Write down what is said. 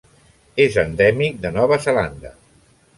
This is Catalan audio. És endèmic de Nova Zelanda.